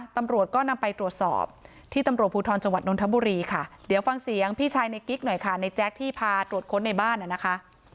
ตำรวจก็นำไปตรวจสอบที่ตำรวจภูทรจังหวัดนทบุรีค่ะเดี๋ยวฟังเสียงพี่ชายในกิ๊กหน่อยค่ะในแจ๊คที่พาตรวจค้นในบ้านนะคะ